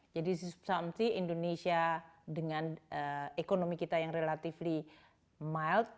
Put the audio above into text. jadi sisi substansi indonesia dengan ekonomi kita yang relatively mild